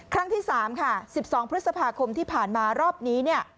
ครั้งที่๓ค่ะ๑๒พฤษภาคมที่ผ่านมารอบนี้เนี่ย